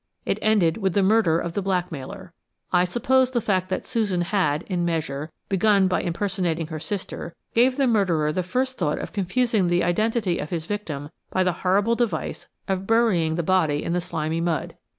It ended with the murder of the blackmailer. I suppose the fact that Susan had, in measure, begun by impersonating her sister, gave the murderer the first thought of confusing the identity of his victim by the horrible device of burying the body in the slimy mud.